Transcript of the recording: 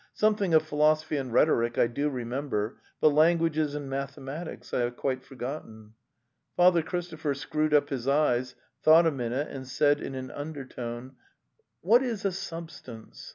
Something of philosophy and rhetoric I do remember, but languages and mathe matics I have quite forgotten." Father Christopher screwed up his eyes, thought a minute and said in an undertone: "What is a substance?